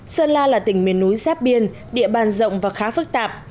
sơn la là tỉnh miền núi giáp biên địa bàn rộng và khá phức tạp